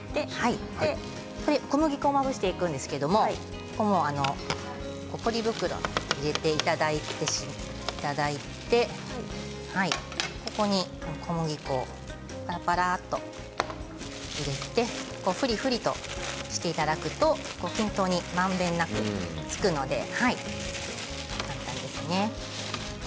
小麦粉をまぶしていくんですけれどもポリ袋に入れていただいてここに小麦粉パラパラっと入れてふりふりとしていただくと均等にまんべんなくつくので簡単ですね。